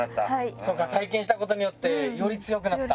そっか体験したことによってより強くなった。